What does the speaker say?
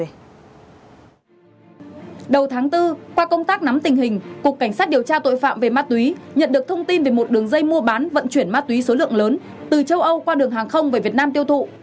đầu tháng bốn qua công tác nắm tình hình cục cảnh sát điều tra tội phạm về ma túy nhận được thông tin về một đường dây mua bán vận chuyển ma túy số lượng lớn từ châu âu qua đường hàng không về việt nam tiêu thụ